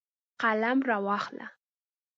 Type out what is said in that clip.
قلم راواخله